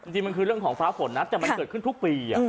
จริงมันคือเรื่องของฟ้าฝนนะแต่มันเกิดขึ้นทุกปี